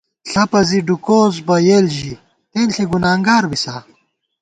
ݪَپہ زِی ڈُوکوس بہ یېل ژِی ، تېنݪی گُنانگار بِسا